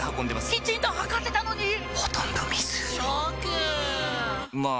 きちんと測ってたのに⁉ほとんど水ショックまあ